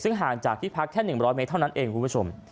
ซึ่งห่างจากที่พักแค่๑๐๐เมตรเท่านั้นเองคุณผู้ชม